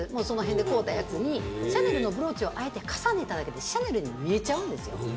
その辺で買うたやつにシャネルのブローチをああやって重ねただけでシャネルに見えちゃうんですよ。